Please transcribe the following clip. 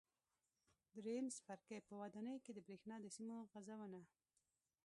درېیم څپرکی: په ودانیو کې د برېښنا د سیم غځونه